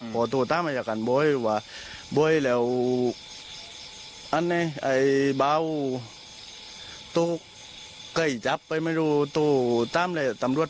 พูดโยงแล้วนะพูดโยงแล้วนะ